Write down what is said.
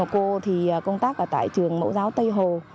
cô thì công tác ở tại trường mẫu giáo tây hồ